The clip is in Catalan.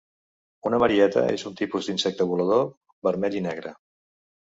Una marieta és un tipus d'insecte volador vermell i negre.